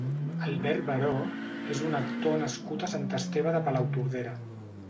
Albert Baró és un actor nascut a Sant Esteve de Palautordera.